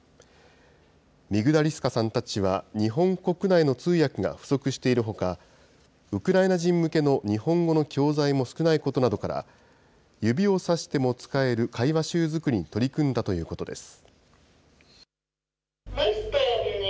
ミグダリスカさんたちは日本国内の通訳が不足しているほか、ウクライナ人向けの日本語の教材も少ないことなどから、指をさしても使える会話集作りに取り組んだということです。